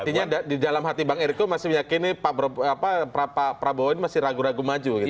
artinya di dalam hati bang eriko masih meyakini pak prabowo ini masih ragu ragu maju gitu